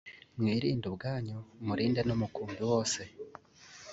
mwirinde ubwanyu murinde n umukumbi wose